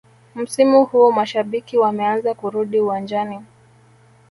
msimu huu mashabiki wameanza kurudi uwanjani